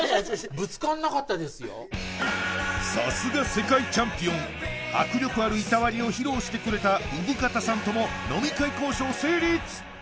さすが世界チャンピオン迫力ある板割りを披露してくれた産方さんとも飲み会交渉成立！